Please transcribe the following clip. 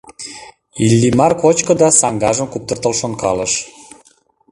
Иллимар кочко да саҥгажым куптыртыл шонкалыш.